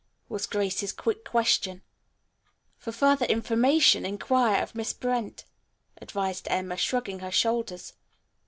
was Grace's quick question. "For further information inquire of Miss Brent," advised Emma, shrugging her shoulders.